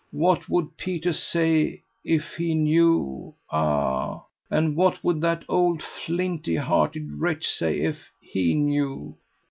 What would Peter say if he knew ah! and what would that old flinty hearted wretch say if he knew!